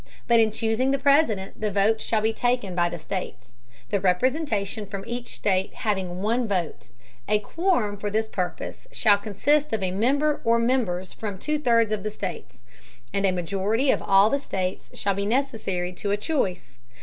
But in chusing the President, the Votes shall be taken by States, the Representation from each State having one Vote; A quorum for this Purpose shall consist of a Member or Members from two thirds of the States, and a Majority of all the States shall be necessary to a Choice.